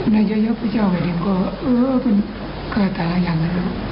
แน่เย้เย้พุชาวไว้ดิงก็เออคือตาอย่างนั้น